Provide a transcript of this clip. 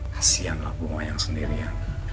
kasian lah rumah yang sendirian